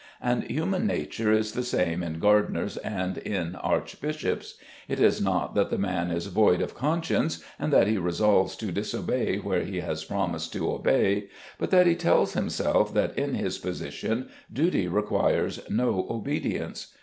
And human nature is the same in gardeners and in archbishops. It is not that the man is void of conscience and that he resolves to disobey where he has promised to obey, but that he tells himself that in his position duty requires no obedience.